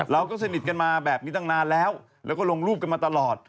เราก็สนิทกันมาแบบนี้ตั้งนานแล้วแล้วก็ลงรูปกันมาตลอด